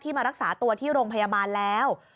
มารักษาตัวที่โรงพยาบาลแล้ว